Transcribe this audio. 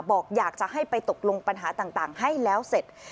บอกอยากจะให้ไปตกลงปัญหาต่างให้แล้วเสร็จ